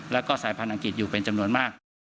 แล้วก็สายพันธุอังกฤษอยู่เป็นจำนวนมาก